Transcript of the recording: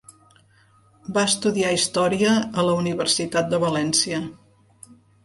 Va estudiar Història a la Universitat de València.